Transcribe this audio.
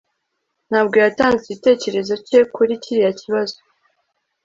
Ntabwo yatanze igitekerezo cye kuri kiriya kibazo